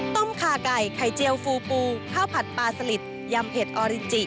คาไก่ไข่เจียวฟูปูข้าวผัดปลาสลิดยำเผ็ดออริจิ